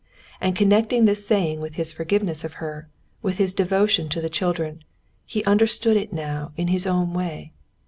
And connecting this saying with his forgiveness of her, with his devotion to the children, he understood it now in his own way.